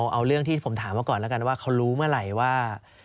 เอาเรื่องที่ผมถามมาก่อนแล้วกันว่าเขารู้เมื่อไหร่ว่า